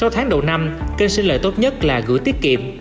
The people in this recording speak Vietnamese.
sáu tháng đầu năm kênh xin lời tốt nhất là gửi tiết kiệm